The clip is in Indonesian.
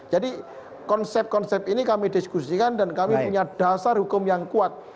konsep konsep ini kami diskusikan dan kami punya dasar hukum yang kuat